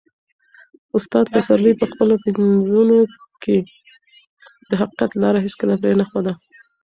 استاد پسرلي په خپلو پنځونو کې د حقیقت لاره هیڅکله پرې نه ښوده.